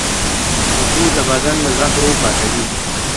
اوبه د بدن له زهرو پاکوي